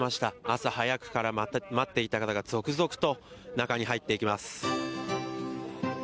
朝早くから待っていた人が続々と中に入っていきます。